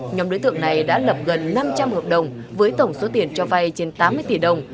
nhóm đối tượng này đã lập gần năm trăm linh hợp đồng với tổng số tiền cho vay trên tám mươi tỷ đồng